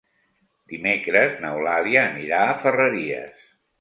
Dimecres n'Eulàlia anirà a Ferreries.